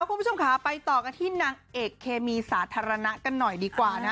คุณผู้ชมค่ะไปต่อกันที่นางเอกเคมีสาธารณะกันหน่อยดีกว่านะ